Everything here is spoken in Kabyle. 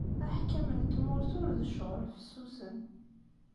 Aḥkam n tmurt ur d ccɣel fessusen.